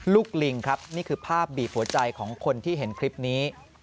ลิงครับนี่คือภาพบีบหัวใจของคนที่เห็นคลิปนี้